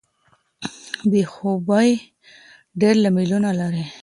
بې خوبۍ ډیر لاملونه لري.